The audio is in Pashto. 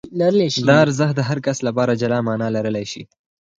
دا ارزښت د هر کس لپاره جلا مانا لرلای شي.